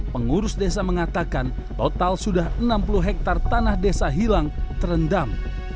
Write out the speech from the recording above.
pengurus desa mengatakan total sudah enam puluh hektare tanah desa hilang terendam